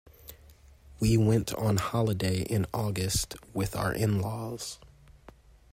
We went on holiday in August with our in-laws.